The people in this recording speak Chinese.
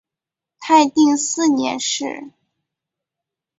泰定四年事。